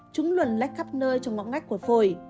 chúng luôn lách khắp nơi trong ngõ ngách của phổi